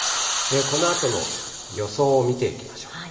このあとの予想を見ていきましょう。